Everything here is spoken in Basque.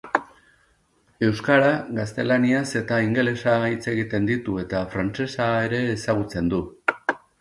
Euskara, gaztelaniaz eta ingelesa hitz egiten ditu eta frantsesa ere ezagutzen du.